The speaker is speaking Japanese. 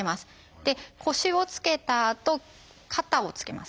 で腰をつけたあと肩をつけます。